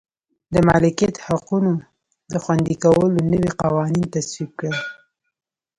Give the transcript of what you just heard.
د مالکیت حقونو د خوندي کولو نوي قوانین تصویب کړل.